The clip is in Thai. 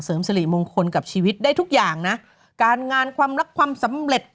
สริมงคลกับชีวิตได้ทุกอย่างนะการงานความรักความสำเร็จ